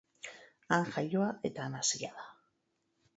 Han jaioa eta han hazia da.